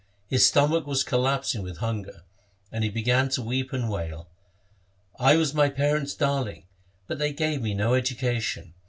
His stomach was collapsing with hunger, and he began to weep and wail, ' I was my parents' darling, but they gave me no education.